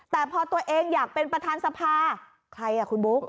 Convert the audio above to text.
แต่พอตัวเองอยากเป็นประธานสภาใครอ่ะคุณบุ๊ค